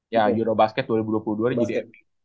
ya euro basket dua ribu dua puluh dua jadi